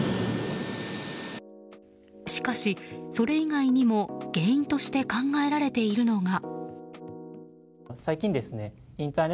しかし、それ以外にも原因として考えられているのが。